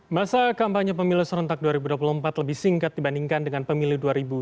masa kampanye pemilu serentak dua ribu dua puluh empat lebih singkat dibandingkan dengan pemilu dua ribu sembilan belas